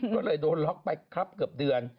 ก็เลยโดนล็อกไปครับเกือบเดือน